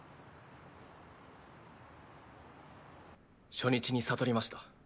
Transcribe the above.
初日に悟りました。